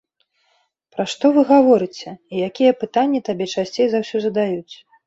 Пра што вы гаворыце, і якія пытанні табе часцей за ўсё задаюць?